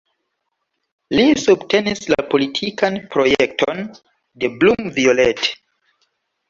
Li subtenis la politikan projekton de Blum-Violette.